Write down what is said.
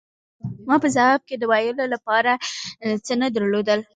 ما په ځواب کې د ویلو له پاره څه نه درلودل.